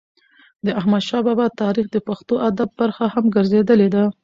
د احمدشا بابا تاریخ د پښتو ادب برخه هم ګرځېدلې ده.